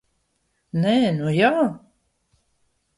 Nē, nu jā!